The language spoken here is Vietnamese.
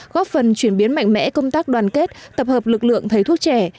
góp phần chuyển biến mạnh mẽ công tác đoàn kết tập hợp lực lượng thầy thuốc trẻ